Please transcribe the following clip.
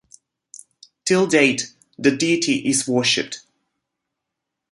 Till date the deity is worshipped.